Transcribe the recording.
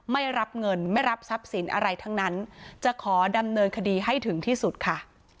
ไม่รับเงินไม่รับทรัพย์สินอะไรทั้งนั้นจะขอดำเนินคดีให้ถึงที่สุดค่ะ